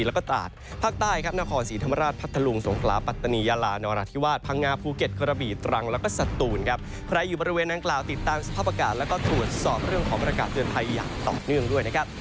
และเรื่องของประกาศเตือนภัยอย่างต่อเนื่องด้วยนะครับ